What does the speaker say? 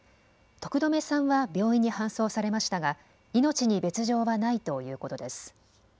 徳留さんは病院に搬送されましたが命に別状はないということです。